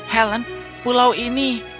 helen pulau ini